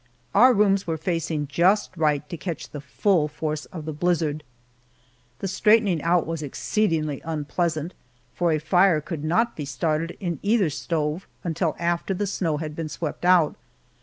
Our rooms were facing just right to catch the full force of the blizzard. The straightening out was exceedingly unpleasant, for a fire could not be started in either stove until after the snow had been swept out.